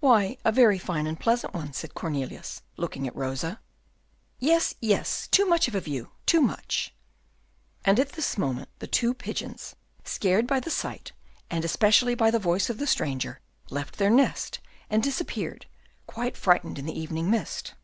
"Why, a very fine and pleasant one," said Cornelius, looking at Rosa. "Yes, yes, too much of a view, too much." And at this moment the two pigeons, scared by the sight and especially by the voice of the stranger, left their nest, and disappeared, quite frightened in the evening mist.